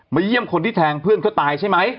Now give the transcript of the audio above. เยี่ยมคนที่แทงเพื่อนเขาตายใช่ไหม